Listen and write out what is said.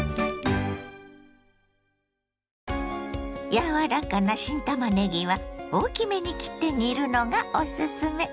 柔らかな新たまねぎは大きめに切って煮るのがおすすめ。